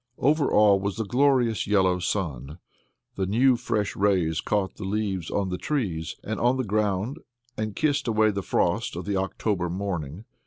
Over all was the glorious yellow sun. The new fresh rays caught the leaves on the trees and on the ground, and kissed away the frost of the October morning.